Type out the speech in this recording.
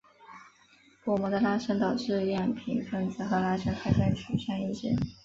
薄膜的拉伸导致样品分子和拉伸方向取向一致。